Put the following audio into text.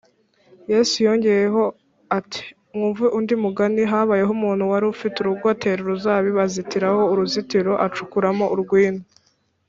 yesu yongeyeho ati: « mwumve undi mugani: habayeho umuntu wari ufite urugo, atera uruzabibu azitiraho uruzitiro, acukuramo urwina,